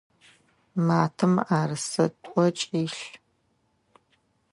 Матэм мыӏэрысэ тӏокӏ илъ.